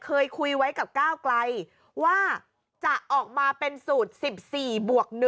เคยคุยไว้กับก้าวไกลว่าจะออกมาเป็นสูตร๑๔บวก๑